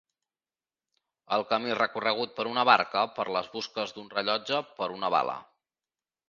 El camí recorregut per una barca, per les busques d'un rellotge, per una bala.